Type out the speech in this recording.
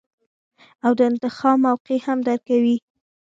او د انتخاب موقع هم درکوي -